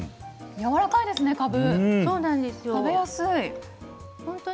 やわらかいですね、かぶ。